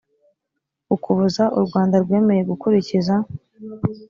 ukuboza u rwanda rwemeye gukurikiza